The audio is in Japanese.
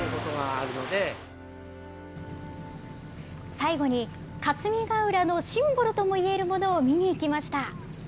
最後に、霞ケ浦のシンボルともいえるものを見に行きました。